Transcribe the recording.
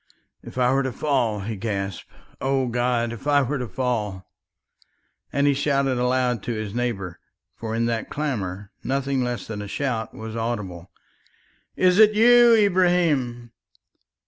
"If I were to fall!" he gasped. "O God, if I were to fall!" and he shouted aloud to his neighbour for in that clamour nothing less than a shout was audible "Is it you, Ibrahim?"